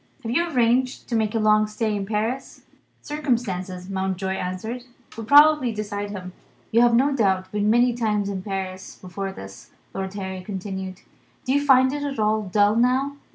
Have you arranged to make a long stay in Paris?" Circumstances, Mountjoy answered, would probably decide him. "You have no doubt been many times in Paris before this," Lord Harry continued. "Do you find it at all dull, now?"